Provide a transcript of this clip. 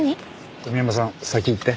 小宮山さん先行って。